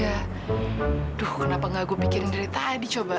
aduh kenapa gak gue pikirin dari tadi coba